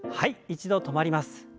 一度止まります。